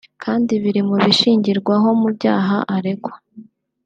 kandi biri mu bishingirwaho mu byaha aregwa